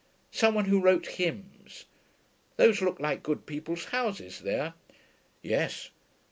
Some one who wrote hymns. Those look like good people's houses there.' 'Yes.